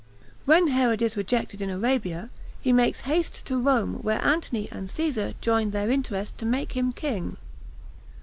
When Herod Is Rejected In Arabia, He Makes Haste To Rome Where Antony And Caesar Join Their Interest To Make Him King